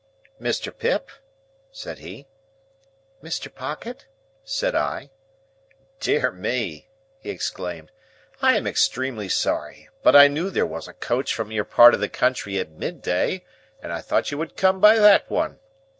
"Mr. Pip?" said he. "Mr. Pocket?" said I. "Dear me!" he exclaimed. "I am extremely sorry; but I knew there was a coach from your part of the country at midday, and I thought you would come by that one.